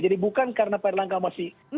jadi bukan karena pak erlangga masih